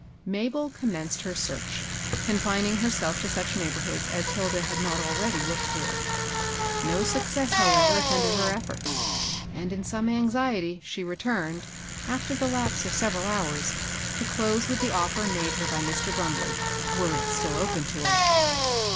Mabel commenced her search, confining herself to such neighborhoods as Hilda had not already looked through. No success, however, attended her efforts ; and, in some anxiety, she returned, after the lapse of several hours, to close with the offer made her by Mr, Brumbley, were it still open to her.